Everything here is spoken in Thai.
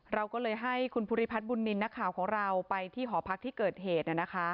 เราก็เลยให้คุณภูริพัฒน์บุญนินทร์นักข่าวของเราไปที่หอพักที่เกิดเหตุ